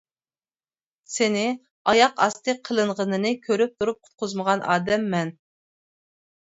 سېنى ئاياق ئاستى قىلىنغىنىنى كۆرۈپ تۇرۇپ قۇتقۇزمىغان ئادەم مەن.